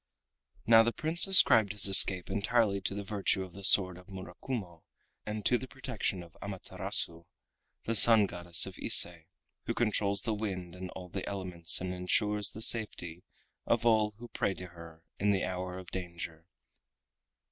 Now the Prince ascribed his escape entirely to the virtue of the sword of Murakumo, and to the protection of Amaterasu, the Sun Goddess of Ise, who controls the wind and all the elements and insures the safety of all who pray to her in the hour of danger.